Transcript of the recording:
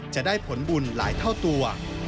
จะได้ผลบุญหลายเท่าตัว